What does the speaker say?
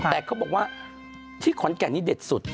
แต่เขาบอกว่าที่ขอนแก่นนี้เด็ดสุด